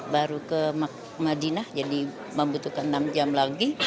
baru ke madinah jadi membutuhkan enam jam lagi